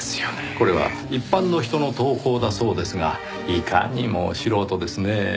これは一般の人の投稿だそうですがいかにも素人ですねぇ。